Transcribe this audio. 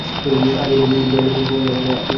আরে বুড়ো, ইউনিয়ন হোক বা না হোক আপনিই আমাদের নেতা।